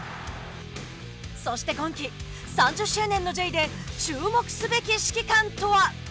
そして今季、３０周年のＪで注目すべき指揮官とは。